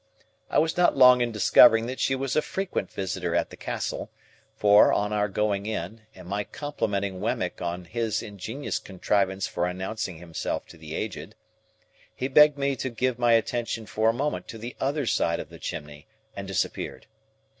I was not long in discovering that she was a frequent visitor at the Castle; for, on our going in, and my complimenting Wemmick on his ingenious contrivance for announcing himself to the Aged, he begged me to give my attention for a moment to the other side of the chimney, and disappeared.